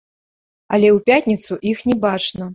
Але ў пятніцу іх не бачна.